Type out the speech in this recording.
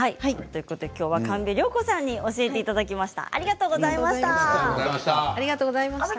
きょうは神戸良子さんに教えていただきました。